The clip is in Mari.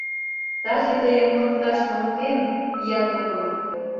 Таче тыйым мурыкташ мурыктем, ия тукым...